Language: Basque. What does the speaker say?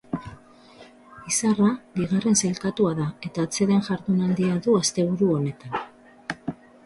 Izarra bigarren sailkatua da eta atseden jardunaldia du asteburu honetan.